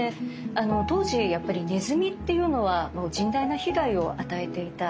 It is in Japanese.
当時やっぱりねずみっていうのは甚大な被害を与えていた。